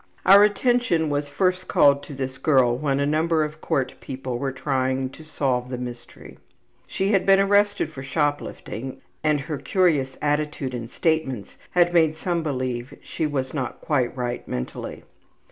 '' Our attention was first called to this girl when a number of court people were trying to solve the mystery. She had been arrested for shoplifting and her curious attitude and statements had made some believe she was not quite right mentally.